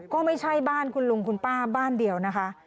ก็ไม่ใช่บ้านคุณลุงคุณป้าบ้านเดียวนะคะ